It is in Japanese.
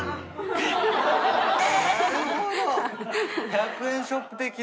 １００円ショップ的な。